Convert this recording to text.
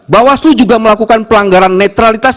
bawaslu juga melakukan pelanggaran netralitas